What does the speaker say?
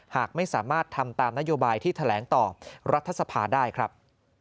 หากไม่สามารถทำตามนโยบายที่แถลงต่อรัฐสภาได้ครับ